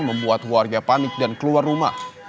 membuat warga panik dan keluar rumah